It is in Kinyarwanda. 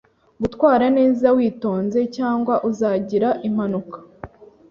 Gutwara neza witonze, cyangwa uzagira impanuka.